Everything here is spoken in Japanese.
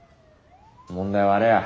問題はあれや。